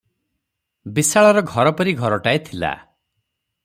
ବିଶାଳର ଘରପରି ଘରଟାଏ ଥିଲା ।